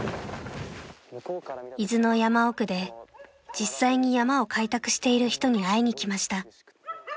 ［伊豆の山奥で実際に山を開拓している人に会いに来ました］